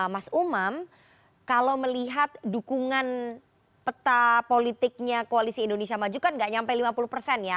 mas umam kalau melihat dukungan peta politiknya koalisi indonesia maju kan nggak nyampe lima puluh persen ya